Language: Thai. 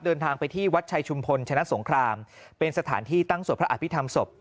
เดินทางไปที่วัดชัยชุมพลชนะสงครามเป็นสถานที่ตั้งสวดพระอภิษฐรรมศพ